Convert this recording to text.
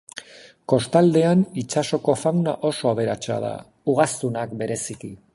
Kostaldean itsasoko fauna oso aberatsa da, ugaztunak bereziki.